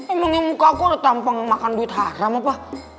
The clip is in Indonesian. emangnya muka aku ada tampang makan duit haram apa